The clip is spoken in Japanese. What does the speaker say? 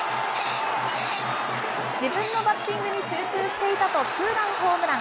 自分のバッティングに集中していたと、ツーランホームラン。